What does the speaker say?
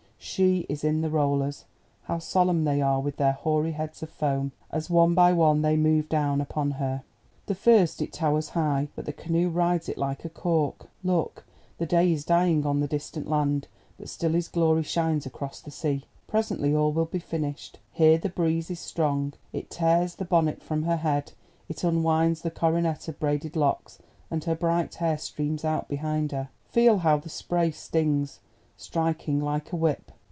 —she is in the rollers—how solemn they are with their hoary heads of foam, as one by one they move down upon her. The first! it towers high, but the canoe rides it like a cork. Look! the day is dying on the distant land, but still his glory shines across the sea. Presently all will be finished. Here the breeze is strong; it tears the bonnet from her head, it unwinds the coronet of braided locks, and her bright hair streams out behind her. Feel how the spray stings, striking like a whip.